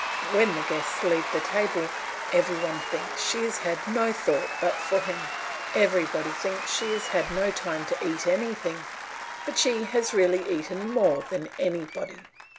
When the guests leave the table every one thinks she has had no thought but for him, everybody thinks she has had no time to eat anything, but she has really eaten more than anybody.